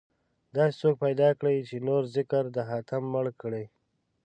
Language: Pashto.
داسې څوک پيدا کړئ، چې نور ذکر د حاتم مړ کړي